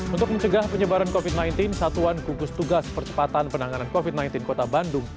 untuk mencegah penyebaran covid sembilan belas satuan gugus tugas percepatan penanganan covid sembilan belas kota bandung